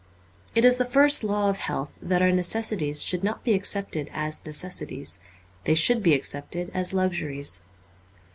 It is the first law of health that our necessities should not be accepted as necessities ; they should be accepted as luxuries.